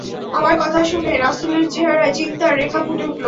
আমার কথা শুনে রাসূলের চেহারায় চিন্তার রেখা ফুটে উঠল।